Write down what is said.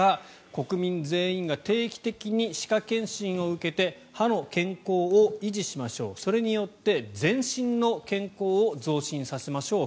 国民全員が定期的に歯科検診を受けて歯の健康を維持しましょうそれによって全身の健康を増進させましょう。